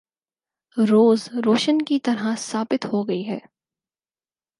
‘ روز روشن کی طرح ثابت ہو گئی ہے۔